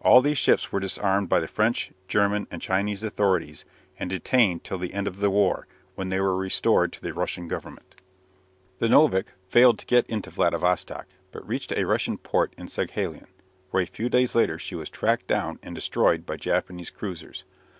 All these ships were disarmed by the French, German, and Chinese authorities, and detained till the end of the war, when they were restored to the Russian Government. The "Novik" failed to get into Vladivostock, but reached a Russian port in Saghalien, where a few days later she was tracked down and destroyed by Japanese cruisers.